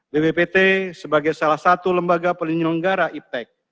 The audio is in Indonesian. bppt sebagai salah satu lembaga penyelenggara iptec